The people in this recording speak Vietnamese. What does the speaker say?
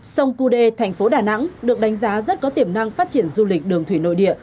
sông cú đê thành phố đà nẵng được đánh giá rất có tiềm năng phát triển du lịch đường thủy nội địa